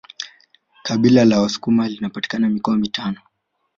Kabila la wasukuma linapatikana mikoa mitano